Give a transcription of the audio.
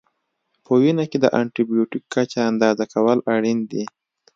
په وینه کې د انټي بیوټیک کچه اندازه کول اړین دي.